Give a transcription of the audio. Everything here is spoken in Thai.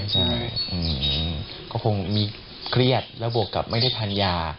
ใช่ก็คงมีเครียดแล้วบวกกับไม่ได้ทานยา